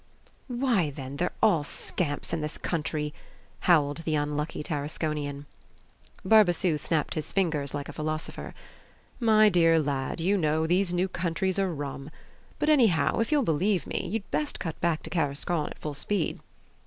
"Why, then, they're all scamps in this country!" howled the unlucky Tarasconian. Barbassou snapped his fingers like a philosopher. "My dear lad, you know, these new countries are 'rum!' But, anyhow, if you'll believe me, you'd best cut back to Tarascon at full speed."